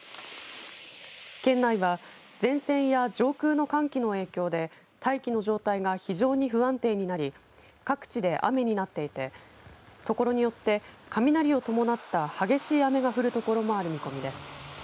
県内は前線や上空の寒気の影響で大気の状態が非常に不安定になり各地で雨になっていてところによって雷を伴った激しい雨が降る所もある見込みです。